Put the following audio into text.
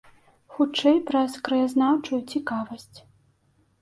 Хутчэй праз краязнаўчую цікавасць.